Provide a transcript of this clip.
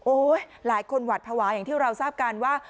หลายคนหวัดภาวะอย่างที่เราทราบกันว่า